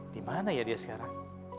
dimana ya dia sekarang